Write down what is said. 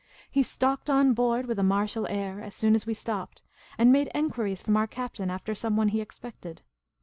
He stalked on board with a martial air, as soon as we stopped, and made enquiries from our captain after someone he expected.